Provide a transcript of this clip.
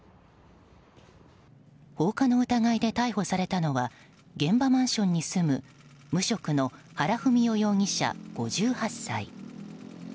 放火の疑いで逮捕されたのは現場マンションに住む無職の原文雄容疑者、５８歳。